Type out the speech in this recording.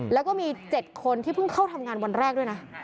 แล้วก็มี๗คนที่เพิ่งเข้าทำงานวันแรกด้วยนะ